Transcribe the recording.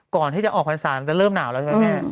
ก่อนที่จะออกพรรษามันจะเริ่มหนาวแล้วใช่ไหมแม่